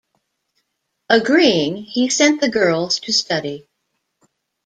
Agreeing, he sent the girls to study.